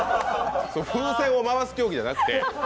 風船を回す競技じゃなくて。